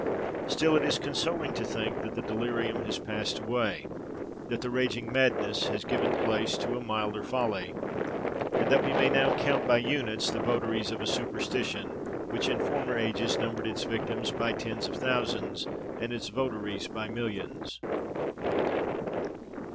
Still it is consoling to think that the delirium has passed away; that the raging madness has given place to a milder folly; and that we may now count by units the votaries of a superstition which in former ages numbered its victims by tens of thousands, and its votaries by millions.